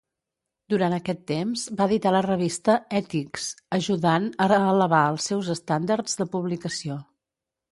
Durant aquest temps va editar la revista "Ethics", ajudant a elevar els seus estàndards de publicació.